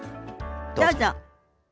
どうぞ。